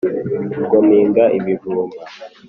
Ubwo mpinga ibijumba